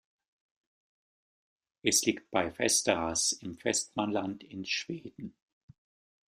Es liegt bei Västerås im Västmanland in Schweden.